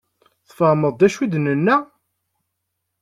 Tfehmeḍ d acu i d-nenna?